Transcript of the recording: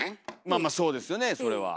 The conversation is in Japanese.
まあまあそうですよねそれは。